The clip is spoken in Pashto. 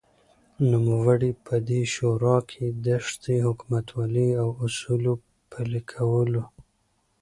نوموړی په دې شورا کې دښې حکومتولۍ او اصولو پلې کولو